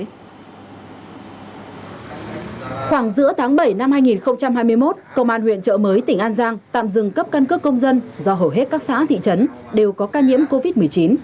khoảng giữa tháng bảy năm hai nghìn hai mươi một công an huyện trợ mới tỉnh an giang tạm dừng cấp căn cước công dân do hầu hết các xã thị trấn đều có ca nhiễm covid một mươi chín